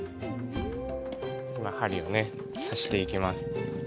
今針をね刺していきます。